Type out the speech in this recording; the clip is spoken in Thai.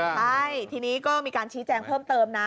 ใช่ทีนี้ก็มีการชี้แจงเพิ่มเติมนะ